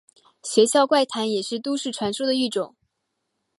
学校怪谈也是都市传说的一种。